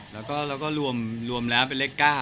แล้วก็รวมแล้วเป็นเลข๙